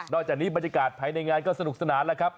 จากนี้บรรยากาศภายในงานก็สนุกสนานแล้วครับ